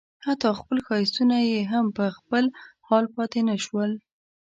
حتی خپل ښایستونه یې هم په خپل حال پاتې نه شول.